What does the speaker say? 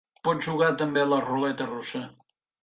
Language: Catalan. Pots jugar també a la ruleta russa.